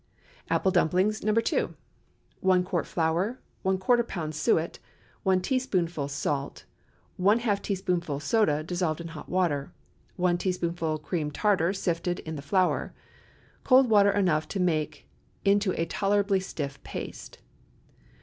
APPLE DUMPLINGS. (No. 2.) ✠ 1 quart flour. ¼ lb. suet. 1 teaspoonful salt. ½ teaspoonful soda dissolved in hot water. 1 teaspoonful cream tartar sifted in the flour. Cold water enough to make into a tolerably stiff paste.